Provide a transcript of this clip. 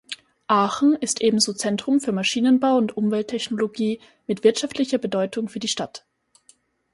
Aachen ist ebenso Zentrum für Maschinenbau und Umwelttechnologie mit wirtschaftlicher Bedeutung für die Stadt.